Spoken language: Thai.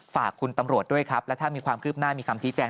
ฝากคุณตำรวจด้วยครับและถ้ามีความคืบหน้ามีคำชี้แจง